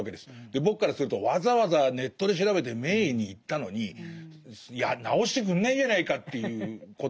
僕からするとわざわざネットで調べて名医に行ったのに治してくんないじゃないかということになるんです。